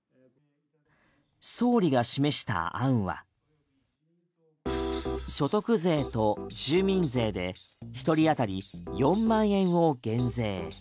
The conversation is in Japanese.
総理が示した案は所得税と住民税で１人当たり４万円を減税。